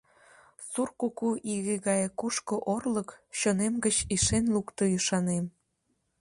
Сур куку иге гае кушко орлык, чонем гыч ишен лукто ӱшанем.